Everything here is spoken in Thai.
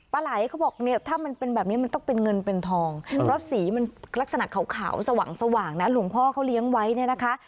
ไหลเขาบอกเนี่ยถ้ามันเป็นแบบนี้มันต้องเป็นเงินเป็นทองเพราะสีมันลักษณะขาวสว่างนะหลวงพ่อเขาเลี้ยงไว้เนี่ยนะคะ